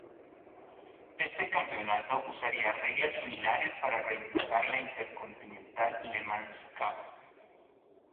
Este campeonato usaría reglas similares para reemplazar a la Intercontinental Le Mans Cup.